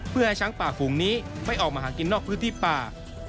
เพื่อให้ช้างป่าฝูงนี้ไม่ออกมาหากินนอกพื้นที่ป่า